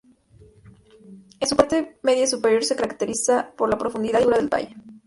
En su parte media superior, se caracteriza por la profundidad y altura del valle.